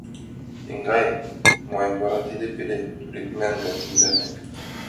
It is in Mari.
— Еҥгай, — манын вара, — тиде пеле тӱредме аҥа тенданак.